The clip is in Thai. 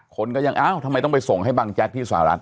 คนก็ยังอ้าวทำไมต้องไปส่งให้บังแจ๊กที่สหรัฐ